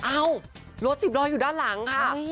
เอ้ารถสิบล้ออยู่ด้านหลังค่ะ